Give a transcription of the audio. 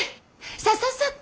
さささっと！